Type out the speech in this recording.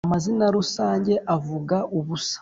. Amazina rusange avuga ubusa